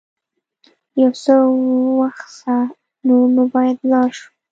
یو څه وڅښه، نور نو باید ولاړ شم.